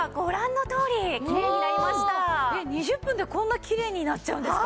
２０分でこんなきれいになっちゃうんですか？